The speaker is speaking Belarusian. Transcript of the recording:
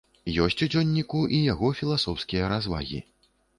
Ёсць у дзённіку і яго філасофскія развагі.